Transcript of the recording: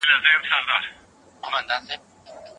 پښتون د یووالي او اتفاق په مانا پوهېږي.